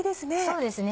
そうですね